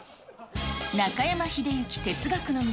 中山秀征、哲学の道。